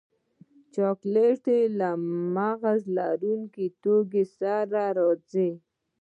چاکلېټ له مغز لرونکو توکو سره راځي.